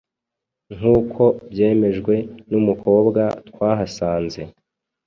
nk’uko byemejwe n’umukobwa twahasanze